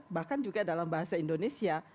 bahkan juga dalam bahasa indonesia